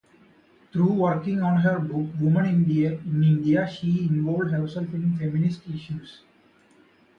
Through working on her book, "Women in India", she involved herself in feminist issues.